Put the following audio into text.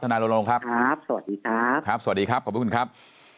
ธนารณรงค์ครับสวัสดีครับ